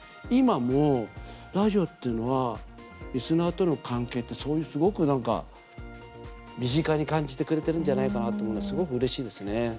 今も、ラジオっていうのはリスナーとの関係ってそういう、すごく身近に感じてくれてるんじゃないかなというのがすごくうれしいですね。